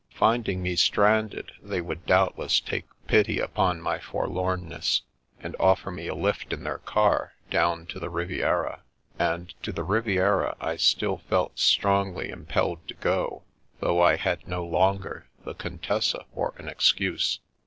Finding me stranded, they would doubtless take pity upon my forlomness, and offer me a lift in their car, down to the Riviera. And to the Riviera I still felt strongly impelled to go, though I had no longer the Contessa for an excuse.